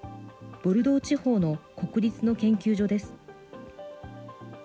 ボルドー地方の国立の研究所です。